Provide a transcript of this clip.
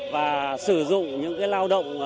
và sử dụng những cái lao động